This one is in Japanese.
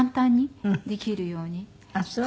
あっそう。